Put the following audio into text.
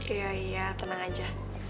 iya iya tenang aja